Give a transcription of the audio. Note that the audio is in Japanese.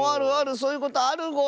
そういうことあるゴロ。